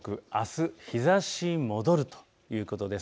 あす、日ざし戻るということです。